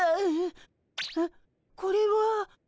あっこれは。